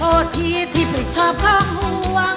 โทษทีที่ไปชอบของห่วง